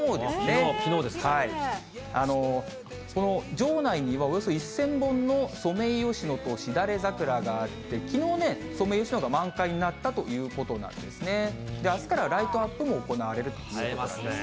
城内にはおよそ１０００本のソメイヨシノとしだれ桜があって、きのう、ソメイヨシノが満開になったということなんですね、あすからはライトアップも行われるということなんですね。